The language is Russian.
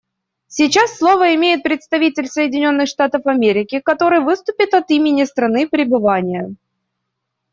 Сейчас слово имеет представитель Соединенных Штатов Америки, который выступит от имени страны пребывания.